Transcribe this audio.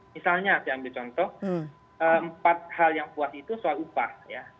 misalnya saya ambil contoh empat hal yang puas itu soal upah ya